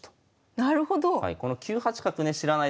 なるほど。